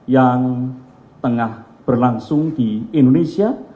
yang tengah berlangsung di indonesia